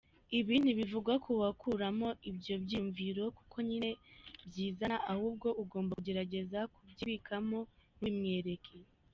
Ibi ntibivuga ko wakwikuramo ibyo byiyumviro kuko nyine byizana, ahubwo ugomba kugerageza kubyibikamo ntubimwereke.